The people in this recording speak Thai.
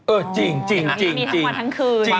เออจริง